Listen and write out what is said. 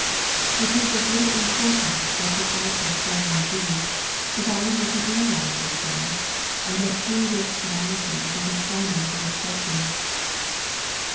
It is of little importance what the out ward form may be, providing that the inner life is there, and that through the externalities it is finding full expression.